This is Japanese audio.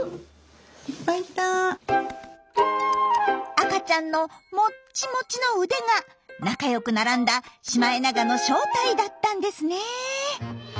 赤ちゃんのモッチモチの腕が仲良く並んだシマエナガの正体だったんですねえ。